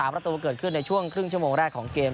ประตูเกิดขึ้นในช่วงครึ่งชั่วโมงแรกของเกม